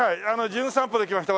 『じゅん散歩』で来ました